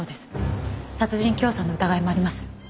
殺人教唆の疑いもあります。